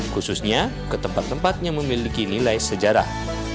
khususnya ke tempat tempat yang memiliki nilai sejarah